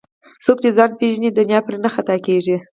څوک چې ځان پیژني دنیا پرې نه خطا کېږي